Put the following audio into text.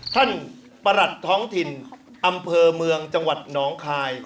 ประหลัดท้องถิ่นอำเภอเมืองจังหวัดหนองคาย